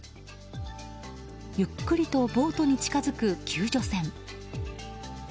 ゆっくりとボートに近づく救助船。